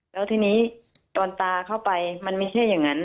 แล้วทีนี้ตอนตาเข้าไปมันไม่ใช่อย่างนั้น